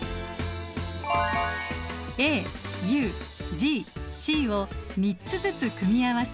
ＡＵＧＣを３つずつ組み合わせ